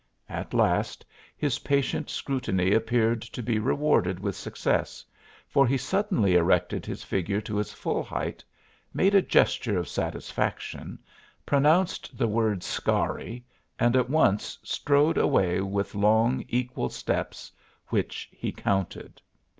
At last his patient scrutiny appeared to be rewarded with success, for he suddenly erected his figure to its full height, made a gesture of satisfaction, pronounced the word "Scarry" and at once strode away with long, equal steps, which he counted.